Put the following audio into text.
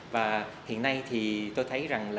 và hiện nay thì tôi thấy rằng